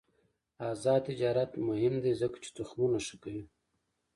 آزاد تجارت مهم دی ځکه چې تخمونه ښه کوي.